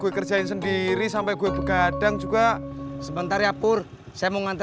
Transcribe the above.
udah belanja belum loh